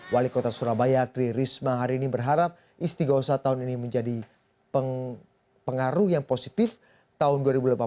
wali kota surabaya tri risma hari ini berharap istighosa tahun ini menjadi pengaruh yang positif tahun dua ribu delapan belas